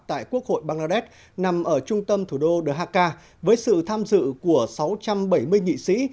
tại quốc hội bangladesh nằm ở trung tâm thủ đô the haka với sự tham dự của sáu trăm bảy mươi nhị sĩ